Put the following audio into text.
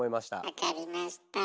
わかりました。